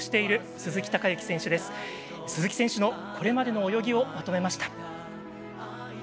鈴木選手のこれまでの泳ぎをまとめました。